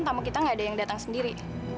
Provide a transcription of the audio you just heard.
tamu kita nggak ada yang datang sendiri